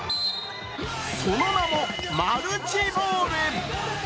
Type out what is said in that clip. その名も、マルチボール。